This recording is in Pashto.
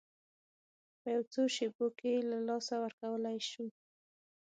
په یو څو شېبو کې یې له لاسه ورکولی شو.